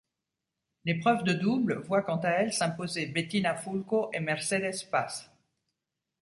L'épreuve de double voit quant à elle s'imposer Bettina Fulco et Mercedes Paz.